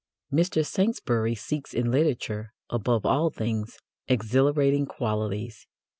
Mr. Saintsbury seeks in literature, above all things, exhilarating qualities.